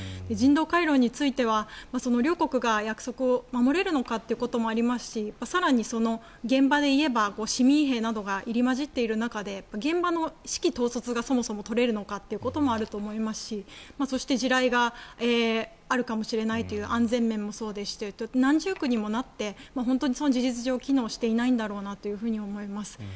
人道回廊については両国が約束を守れるのかということもありますし更に現場で言えば市民兵などが入り交じっている中で現場の指揮統率がそもそも取れるのかということもあると思いますしそして、地雷があるかもしれないという安全面もそうですし何重苦にもなって事実上機能していないんだろうなと思います。